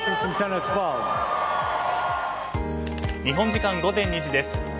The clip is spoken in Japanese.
日本時間午前２時です。